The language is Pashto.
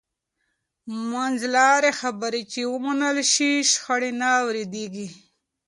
منځلارې خبرې چې ومنل شي، شخړې نه اوږدېږي.